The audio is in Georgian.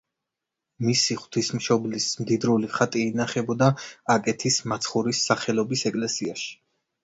მისი ღვთისმშობლის მდიდრული ხატი ინახებოდა აკეთის მაცხოვრის სახელობის ეკლესიაში.